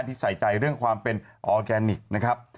ที่ใส่ใจเรื่องความเป็นออร์แกนิคนะครับ